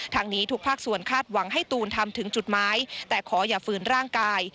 นี้ทุกภาคส่วนคาดหวังให้ตูนทำถึงจุดหมายแต่ขออย่าฝืนร่างกาย